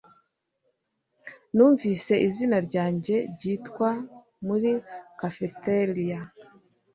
Numvise izina ryanjye ryitwa muri cafeteria